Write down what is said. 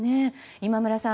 今村さん